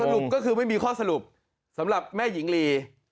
ก็คือไม่มีข้อสรุปสำหรับแม่หญิงลี